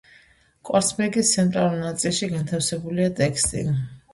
კვარცხლბეკის ცენტრალურ ნაწილში განთავსებულია ტექსტი.